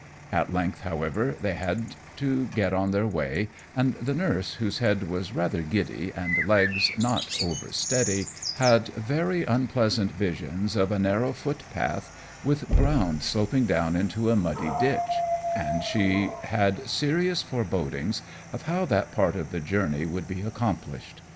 At length, however, they had to get on their way; and the nurse, whose head was rather giddy and legs not over steady, had very unpleasant visions of a narrow footpath with ground sloping down into a muddy ditch, and she had serious forebodings of how that part of the journey would be accomplished.